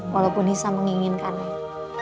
walaupun nisa menginginkannya